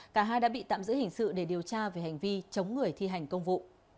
cả hai đã bị tạm giữ hình sự để điều tra về hành vi chống người thi hành công vụ